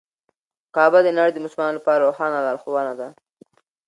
کعبه د نړۍ د مسلمانانو لپاره روښانه لارښوونه ده.